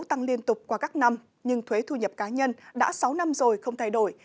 tăng liên tục qua các năm nhưng thuế thu nhập cá nhân đã sáu năm rồi không thay đổi